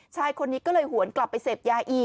ชายคนนี้ก็เลยหวนกลับไปเสพยาอีก